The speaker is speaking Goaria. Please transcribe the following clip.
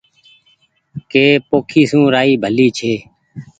ڪي پوکي سون رآئي ڀلي ڇي